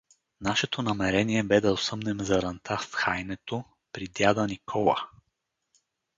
Нашето намерение бе да осъмнем заранта в Хаинето при дяда Никола.